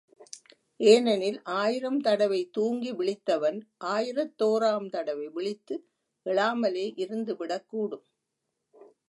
ஏனெனில், ஆயிரம் தடவை தூங்கி விழித்தவன், ஆயிரத்தோராம் தடவை விழித்து எழாமலே இருந்து விடக்கூடும்.